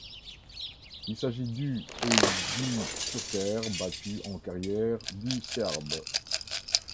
Il s'agit du et du sur terre battue en carrière du Serbe.